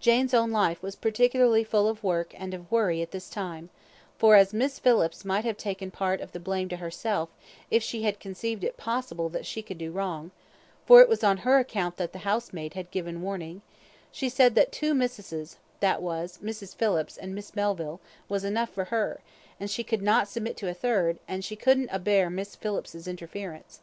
Jane's own life was particularly full of work and of worry at this time; for, as Miss Phillips might have taken part of the blame to herself, if she had conceived it possible that she could do wrong; for it was on her account that the housemaid had given warning she said that two missusses, that was, Mrs. Phillips and Miss Melville, was enough for her, and she could not submit to a third, and she couldn't abear Miss Phillips's interference.